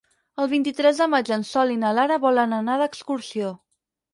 El vint-i-tres de maig en Sol i na Lara volen anar d'excursió.